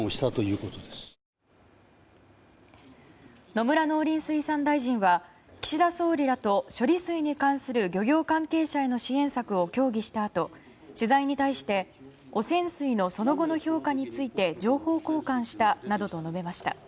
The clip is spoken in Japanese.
野村農林水産大臣は岸田総理らと処理水に関する漁業関係者への支援策を協議したあと取材に対して汚染水のその後の評価について情報交換したなどと述べました。